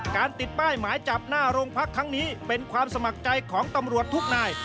ติดป้ายหมายจับหน้าโรงพักครั้งนี้เป็นความสมัครใจของตำรวจทุกนาย